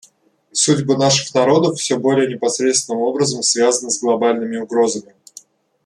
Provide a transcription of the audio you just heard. Судьбы наших народов все более непосредственным образом связаны с глобальными угрозами.